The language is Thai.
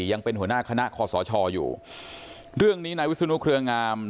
ยังเป็นหัวหน้าคณะคอสชอยู่เรื่องนี้นายวิศนุเครืองาม